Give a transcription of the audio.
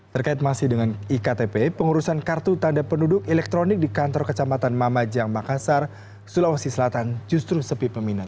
terkait masih dengan iktp pengurusan kartu tanda penduduk elektronik di kantor kecamatan mamajang makassar sulawesi selatan justru sepi peminat